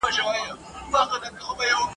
دوو لا نورو ګرېوانونه وه څیرلي ..